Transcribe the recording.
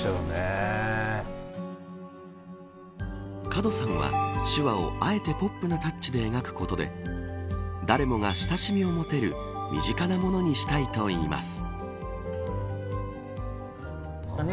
門さんは手話をあえてポップなタッチで描くことで誰もが親しみを持てる身近なものにしたいといいます。